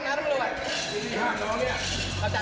ด้วยนะคะขอบคุณมากที่ตามด้วยนะคะคุณขออนุญาต